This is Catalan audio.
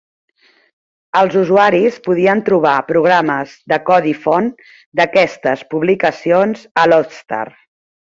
Els usuaris podien trobar programes de codi font d'aquestes publicacions a "Loadstar".